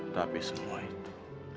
tapi semua itu